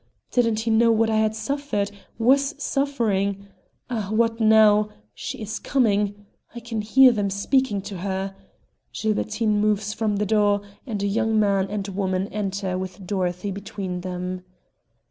Didn't he know what I had suffered, was suffering ah, what now? She is coming! I can hear them speaking to her. Gilbertine moves from the door, and a young man and woman enter with Dorothy between them.